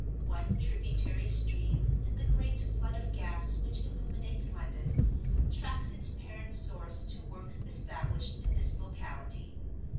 One tributary stream, in the great flood of gas which illuminates London, tracks its parent source to Works established in this locality.